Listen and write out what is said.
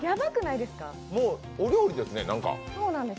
もうお料理ですね、なんか。